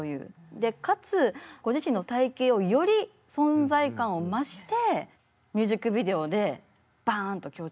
でかつご自身の体型をより存在感を増してミュージックビデオでバンと強調しているという。